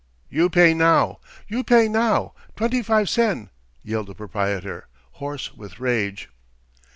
"You pay now! You pay now! Twenty five sen!" yelled the proprietor, hoarse with rage.